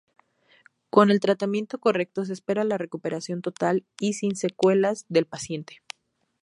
Con el tratamiento correcto se espera la recuperación total y sin secuelas del paciente.